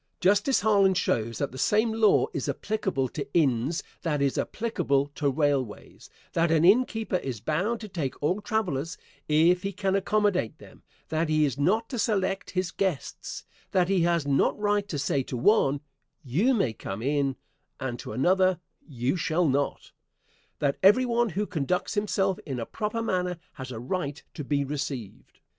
Justice Harlan shows that the same law is applicable to inns that is applicable to railways; that an inn keeper is bound to take all travelers if he can accommodate them; that he is not to select his guests; that he has not right to say to one "you may come in," and to another "you shall not;" that every one who conducts himself in a proper manner has a right to be received.